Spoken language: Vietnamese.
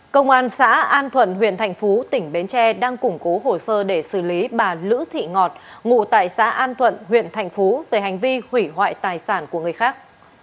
công an xã an thuận huyện thành phú tỉnh bến tre đang củng cố hồ sơ để xử lý bà lữ thị ngọt ngụ tại xã an thuận huyện thành phú về hành vi hủy hoại tài sản của người khác